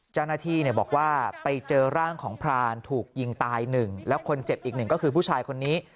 เจ้าหน้าที่บอกว่าไปเจอร่างของพรานถูกยิงตายหนึ่งแล้วคนเจ็บอีกหนึ่งก็คือผู้ชายคนนี้